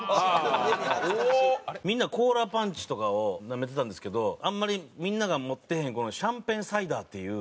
みんなコーラパンチとかをなめてたんですけどあんまりみんなが持ってへんこのシャンペンサイダーっていう。